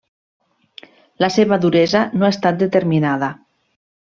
La seva duresa no ha estat determinada.